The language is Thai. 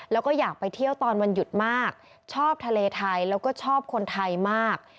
แล้วก็อยากไปเที่ยวตอนวันหยุดมากชอบทะเลไทยแล้วก็ชอบคนไทยมาก